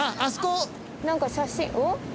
なんか写真おっ？